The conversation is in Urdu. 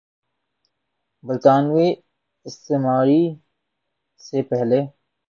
برطانوی استعماری سے پہلے